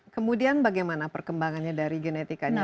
kemudian bagaimana perkembangannya dari genetikanya